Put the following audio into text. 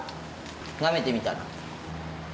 なめてみたら？